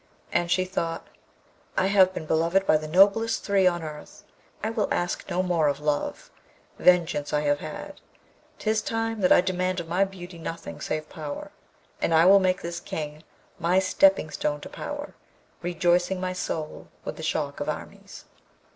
And she thought, 'I have been beloved by the noblest three on earth; I will ask no more of love; vengeance I have had. 'Tis time that I demand of my beauty nothing save power, and I will make this King my stepping stone to power, rejoicing my soul with the shock of armies.'